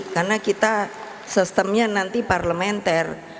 karena kita sistemnya nanti parlementer